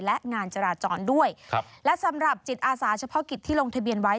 และงานจราจรด้วยครับและสำหรับจิตอาสาเฉพาะกิจที่ลงทะเบียนไว้